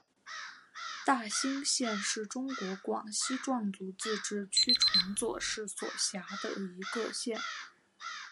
大新县是中国广西壮族自治区崇左市所辖的一个县。